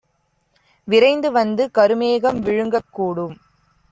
விரைந்துவந்து கருமேகம் விழுங்கக் கூடும்!